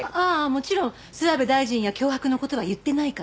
もちろん諏訪部大臣や脅迫の事は言ってないから。